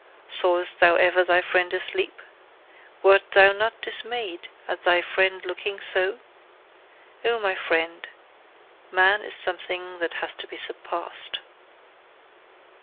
Sawest thou ever thy friend asleep? Wert thou not dismayed at thy friend looking so? O my friend, man is something that hath to be surpassed.